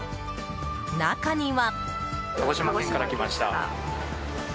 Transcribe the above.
中には。